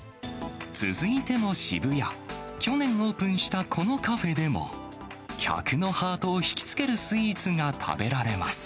続いても渋谷、去年オープンしたこのカフェでも、客のハートを引き付けるスイーツが食べられます。